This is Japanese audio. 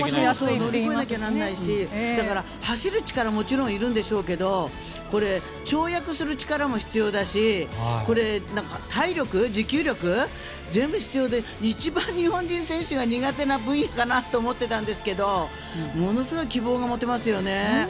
乗り越えないといけないしだから走る力ももちろんいるんでしょうけど跳躍する力も必要だし体力、持久力全部必要で一番、日本人選手が苦手な分野だなと思ってたんですけどものすごい希望が持てますよね。